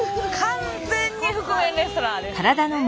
完全に覆面レスラーですね。